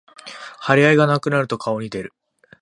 張り合いがなくなると顔に出る